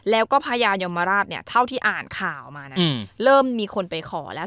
แล้วพญายมราชที่อ่านข่าวมาเริ่มมีคนไปขอแล้ว